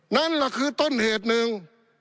นั่นแหละคือต้นเหตุหนึ่ง